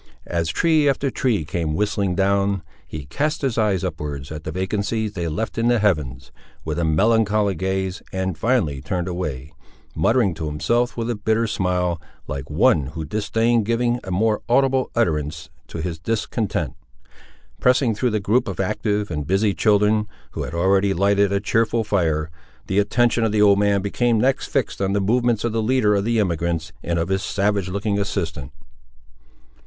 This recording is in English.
As tree after tree came whistling down, he cast his eyes upward at the vacancies they left in the heavens, with a melancholy gaze, and finally turned away, muttering to himself with a bitter smile, like one who disdained giving a more audible utterance to his discontent. Pressing through the group of active and busy children, who had already lighted a cheerful fire, the attention of the old man became next fixed on the movements of the leader of the emigrants and of his savage looking assistant.